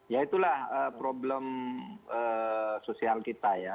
ya itulah problem sosial kita ya